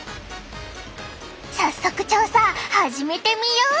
早速調査始めてみよう！